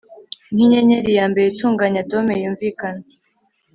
nkinyenyeri yambere itunganya dome yunvikana